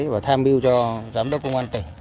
và tham biêu cho giám đốc công an tỉnh